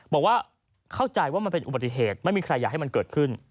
บอกว่าเข้าใจว่ามันเป็นอุบัติเหตุไม่มีใครอยากให้มันเกิดขึ้น